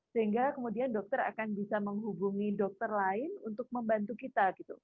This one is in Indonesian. sehingga kemudian dokter akan bisa menghubungi dokter lain untuk membantu kita